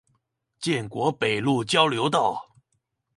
建國北路交流道